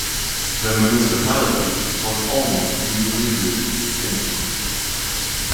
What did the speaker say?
The municipality was almost unilingually Finnish.